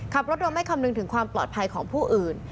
ขับรถโดยไม่คำนึงถึงความปลอดภัยของผู้อื่น